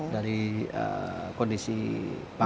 dari kondisi pakai